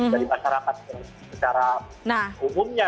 dari masyarakat secara umumnya